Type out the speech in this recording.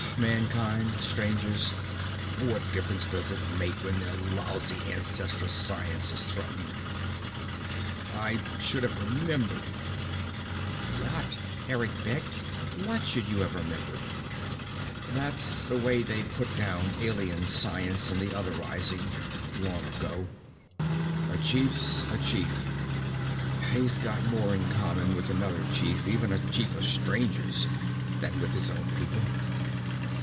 Mankind, Strangers, what difference does it make when their lousy Ancestor science is threatened? I should have remembered." "What?" Eric begged. "What should you have remembered?" "That's the way they put down Alien science in the other rising, long ago. A chief's a chief. He's got more in common with another chief even a chief of Strangers than with his own people.